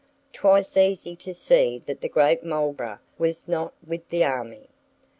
'Twas easy to see that the great Marlborough was not with the army.